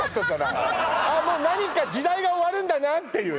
もう何か時代が終わるんだなっていうね